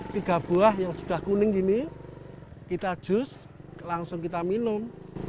tiga buah yang sudah kuning gini kita jus langsung kita minum